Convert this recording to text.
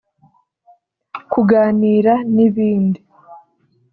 kuganira n’ibindi